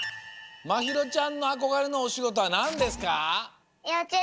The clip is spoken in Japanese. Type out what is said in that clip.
まひろちゃんのあこがれのおしごとはなんですか？